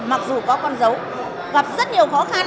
mặc dù có con dấu gặp rất nhiều khó khăn